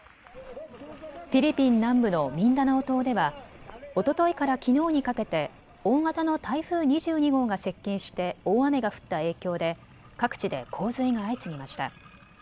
フィリピン南部のミンダナオ島ではおとといからきのうにかけて大型の台風２２号が接近して大雨が降った影響で各地で洪水が相次ぎました。